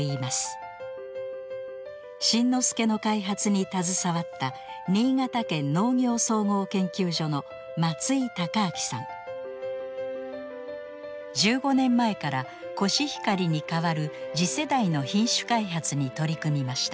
新之助の開発に携わった１５年前からコシヒカリに代わる次世代の品種開発に取り組みました。